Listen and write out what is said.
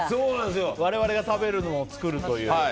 我々が食べるのを作るという。